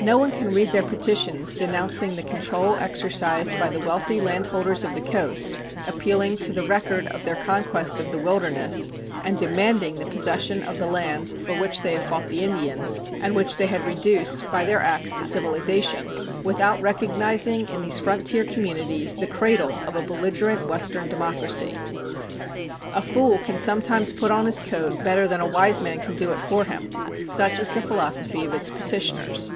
No one can read their petitions denouncing the control exercised by the wealthy landholders of the coast, appealing to the record of their conquest of the wilderness, and demanding the possession of the lands for which they have fought the Indians, and which they had reduced by their ax to civilization, without recognizing in these frontier communities the cradle of a belligerent Western democracy. "A fool can sometimes put on his coat better than a wise man can do it for him," such is the philosophy of its petitioners.